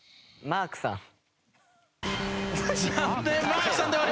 マークさん。